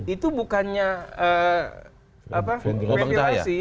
itu bukannya apa ventilasi